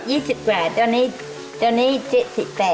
ตอนนั้น๒๐กว่าตอนนี้๗๘